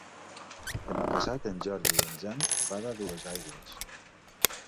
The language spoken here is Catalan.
Demà passat en Jordi i en Jan van a Duesaigües.